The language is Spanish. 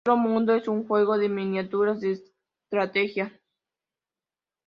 Otro mundo es un juego de miniaturas de estrategia.